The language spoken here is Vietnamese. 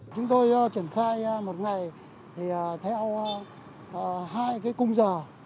chúng tôi triển khai một ngày theo hai cái cung giờ